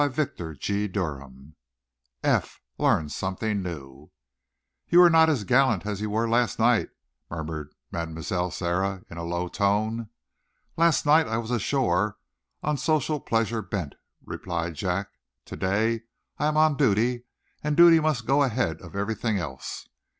CHAPTER V EPH LEARNS SOMETHING NEW "You are not as gallant as you were last night," murmured Mlle. Sara, in a low tone. "Last night I was ashore, on social pleasures bent," replied Jack. "To day, I am on duty, and duty must go ahead of everything else."